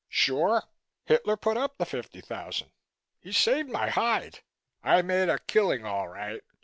Sure Hitler put up the fifty thousand. He saved my hide. I made a killing all right.